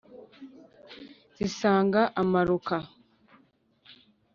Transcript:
Zisanga amaruka